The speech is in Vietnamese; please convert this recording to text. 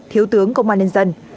thiếu tướng công an nhân dân